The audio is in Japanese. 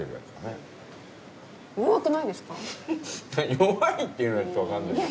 弱いっていうのが分かんないけど。